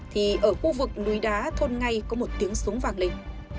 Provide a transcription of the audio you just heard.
thì ở khu vực núi đá thôn ngay có một tiếng súng vạc lên